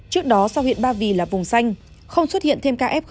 trước đó sau huyện ba vì là vùng xanh không xuất hiện thêm kf